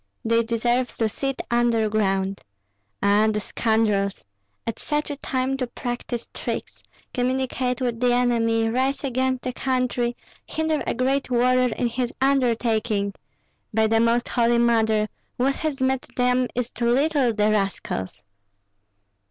They deserve to sit under ground. Ah, the scoundrels! at such a time to practise tricks, communicate with the enemy, rise against the country, hinder a great warrior in his undertaking! By the Most Holy Mother, what has met them is too little, the rascals!"